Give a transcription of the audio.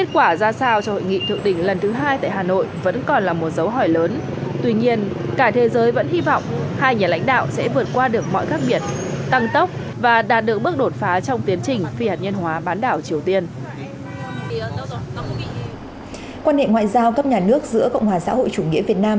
quan hệ ngoại giao cấp nhà nước giữa cộng hòa xã hội chủ nghĩa việt nam